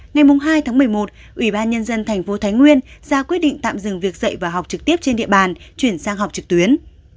ngày hai tháng một mươi một ủy ban nhân dân thành phố thái nguyên ra quyết định tạm dừng việc dạy và học trực tiếp trên địa bàn chuyển sang học trực tuyến